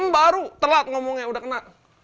baru telat ngomongnya udah kena